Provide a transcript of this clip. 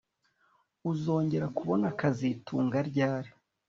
Uzongera kubona kazitunga ryari